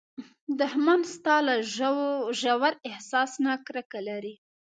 دښمن ستا له ژور احساس نه کرکه لري